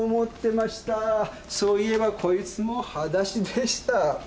そういえばこいつも裸足でした。